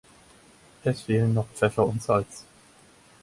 Es fehlen noch Pfeffer und Salz.